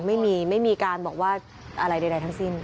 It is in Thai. ไม่มีไม่มีการบอกว่าอะไรใดทั้งสิ้น